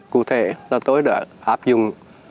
cụ thể là tôi đã áp dụng